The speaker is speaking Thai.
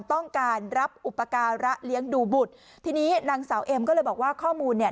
ต้องการรับอุปการะเลี้ยงดูบุตรทีนี้นางสาวเอ็มก็เลยบอกว่าข้อมูลเนี่ย